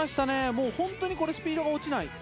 本当にスピードが落ちない。